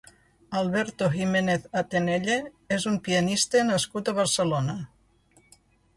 Alberto Giménez Atenelle és un pianista nascut a Barcelona.